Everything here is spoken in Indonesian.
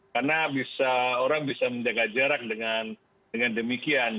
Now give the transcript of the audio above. karena orang bisa menjaga jarak dengan demikian